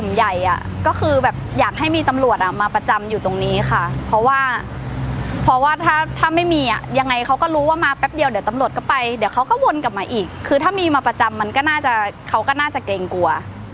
แป๊บเดี๋ยวเดี๋ยวตำรวจก็ไปเดี๋ยวเขาก็วนกลับมาอีกคือถ้ามีมาประจำมันก็น่าจะเขาก็น่าจะเกรงกลัว